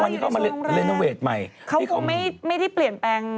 เขาคงไม่ที่เปลี่ยนแปลงตึกอะไรอย่างนี้เนี่ย